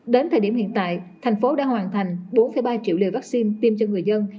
đến thời điểm hiện tại thành phố đã hoàn thành bốn ba triệu liều vaccine tiêm cho người dân